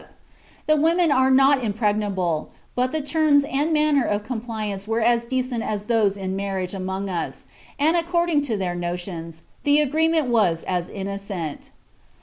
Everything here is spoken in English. The women were not impregnable; but the terms and manner of compliance were as decent as those in marriage among us, and according to their notions, the agreement was as innocent.